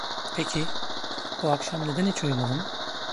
Peki, bu akşam neden hiç uyumadın?